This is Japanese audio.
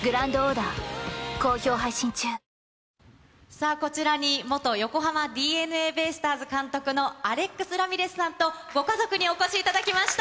さあ、こちらに元横浜ＤｅＮＡベースターズ監督のアレックス・ラミレスさんと、ご家族にお越しいただきました。